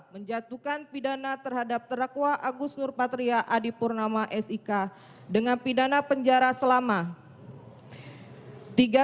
menjatuhkan pidana terhadap terakwa agus nurpatriadi purnama sik dengan pidana penjara selama